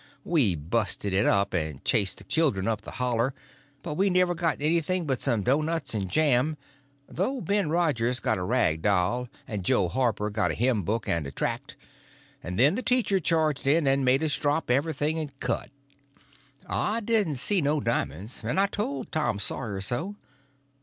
We busted it up, and chased the children up the hollow; but we never got anything but some doughnuts and jam, though Ben Rogers got a rag doll, and Jo Harper got a hymn book and a tract; and then the teacher charged in, and made us drop everything and cut. I didn't see no di'monds, and I told Tom Sawyer so.